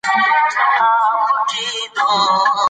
خوست مې ښکلی دی